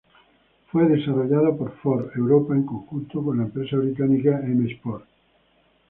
Fue desarrollado por Ford Europa en conjunto con la empresa británica M-Sport.